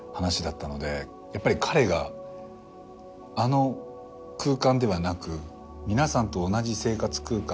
やっぱり彼があの空間ではなく皆さんと同じ生活空間。